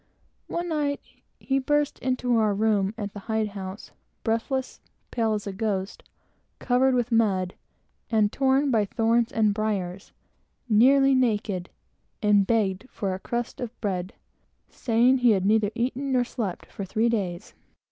One night, he burst into our room at the hide house, breathless, pale as a ghost, covered with mud, and torn by thorns and briers, nearly naked, and begged for a crust of bread, saying he had neither eaten nor slept for three days.